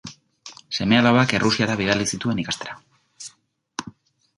Seme-alabak Errusiara bidali zituen ikastera.